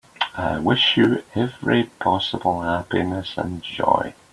I wish you every possible happiness and joy.